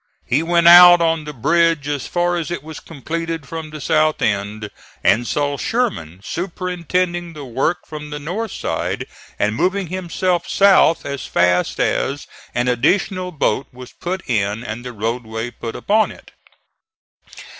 He went out on the bridge as far as it was completed from the south end, and saw Sherman superintending the work from the north side and moving himself south as fast as an additional boat was put in and the roadway put upon it.